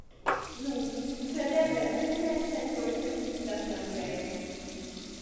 Nu, kredeble viaj sentoj ne similas la miajn.